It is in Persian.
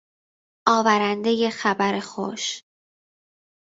آورندهی خبر خوش